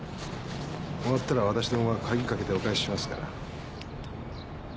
終わったら私どもが鍵かけてお返ししますから。